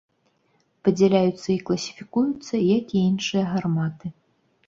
Падзяляюцца і класіфікуюцца як і іншыя гарматы.